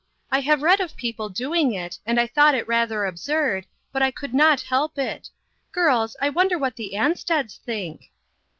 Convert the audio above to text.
I have read of people doing it, and I thought it rather absurd, but I could not help it. Girls, I wonder what the Ansteds think?"